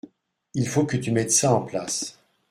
Il faut que tu mettes ça en place.